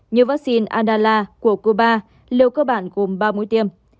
như vaccine andala của cuba liệu cơ bản gồm ba mũi tiêm